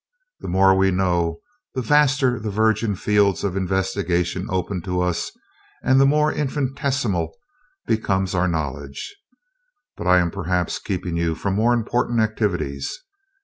The more we know, the vaster the virgin fields of investigation open to us, and the more infinitesimal becomes our knowledge. But I am perhaps keeping you from more important activities.